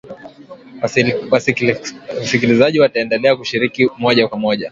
Wasikilizaji waendelea kushiriki moja kwa moja